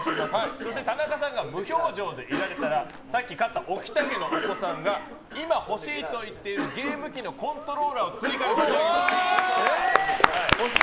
そして、田中さんが無表情でいられたらさっき勝った置田家のお子さんが今欲しいと言っているゲーム機のコントローラーを追加で差し上げます。